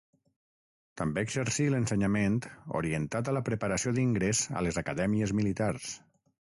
També exercí l'ensenyament orientat a la preparació d'ingrés a les acadèmies militars.